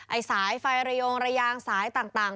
ไอศาจไฟล์ระยงระยางสายต่าง